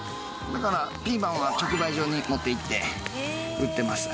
だからピーマンは直売所に持っていって売ってます。